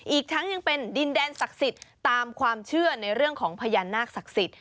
อีกทั้งยังเป็นดินแดนศักดิ์สิทธิ์ตามความเชื่อในเรื่องของพญานาคศักดิ์สิทธิ